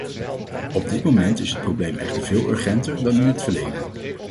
Op dit moment is het probleem echter veel urgenter dan in het verleden.